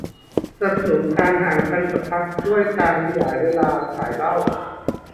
สนับสนุนการ ห่างกันสักพัก ด้วยการขยายเวลาขายเหล้า